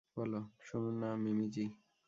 শুনুন না, মিমি জি?